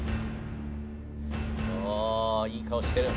おおいい顔してる。